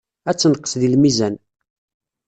Ad tenqes deg lmizan.